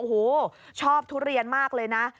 โอ้โหชอบทุเรียนมากเลยนะ